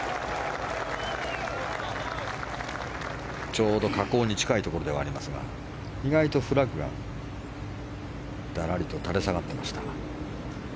ちょうど河口に近いところではありますが意外とフラッグがだらりと垂れ下がっていました。